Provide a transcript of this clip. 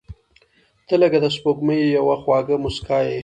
• ته لکه د سپوږمۍ یوه خواږه موسکا یې.